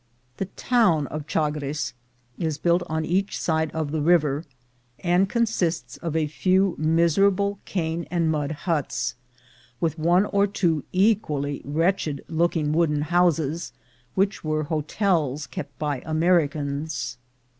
The town of Chagres is built on each side of the river, and consists of a few miserable cane and mud huts, with one or two equally wretched looking wooden houses, which were hotels kept by Americans.